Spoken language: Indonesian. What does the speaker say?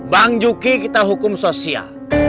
bang juki kita hukum sosial